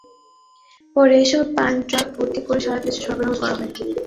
পরে এসব পান ট্রাক ভর্তি করে সারা দেশে সরবরাহ করা হয়।